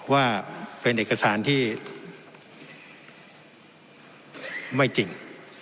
ว่าเป็นเอกสารที่ไม่จริง